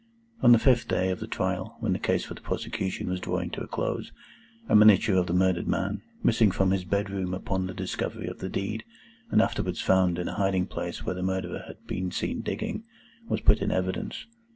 On the fifth day of the trial, when the case for the prosecution was drawing to a close, a miniature of the murdered man, missing from his bedroom upon the discovery of the deed, and afterwards found in a hiding place where the Murderer had been seen digging, was put in evidence.